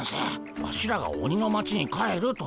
ワシらが鬼の町に帰ると言ったら。